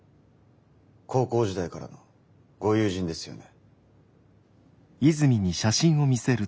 高校時代からのご友人ですよね？